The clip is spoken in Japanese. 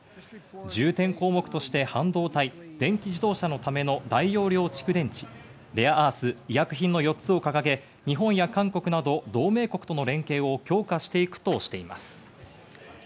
重点項目として半導体、電気自動車のための大容量蓄電池、レアアース、医薬品の４つを掲げ、日本や韓国など同盟国との連携を強化していくとしています。